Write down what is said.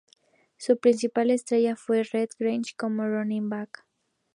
Su principal estrella fue Red Grange como running back.